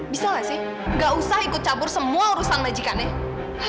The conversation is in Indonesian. bisa gak sih gak usah ikut campur semua urusan majikannya